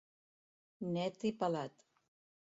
Net i pelat.